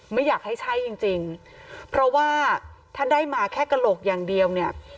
ไม่อยากให้ใช่จริงจริงเพราะว่าถ้าได้มาแค่กระโหลกอย่างเดียวเนี่ย